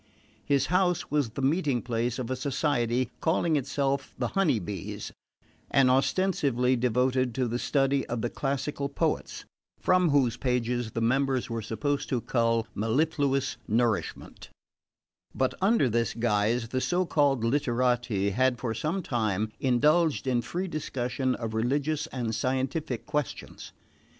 His house was the meeting place of a society calling itself of the Honey Bees and ostensibly devoted to the study of the classical poets, from whose pages the members were supposed to cull mellifluous nourishment; but under this guise the so called literati had for some time indulged in free discussion of religious and scientific questions.